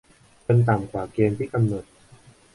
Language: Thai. จนต่ำกว่าเกณฑ์ที่กำหนด